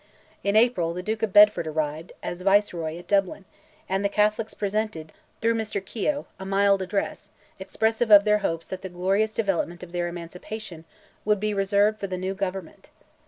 In April, the Duke of Bedford arrived, as Viceroy, at Dublin, and the Catholics presented, through Mr. Keogh, a mild address, expressive of their hopes that "the glorious development" of their emancipation would be reserved for the new government.